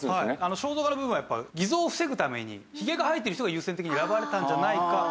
肖像画の部分はやっぱ偽造を防ぐためにヒゲが生えている人が優先的に選ばれたんじゃないか。